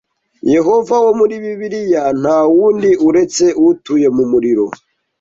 Yehova wo muri Bibiliya ntawundi uretse utuye mu muriro